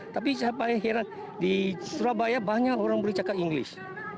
tapi saya paham di surabaya banyak orang yang bisa cakap inggris